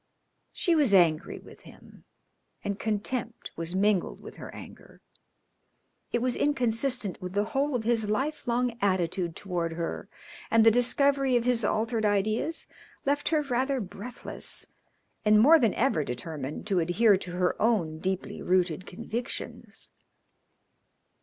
She was angry with him, and contempt was mingled with her anger. It was inconsistent with the whole of his lifelong attitude toward her, and the discovery of his altered ideas left her rather breathless and more than ever determined to adhere to her own deeply rooted convictions.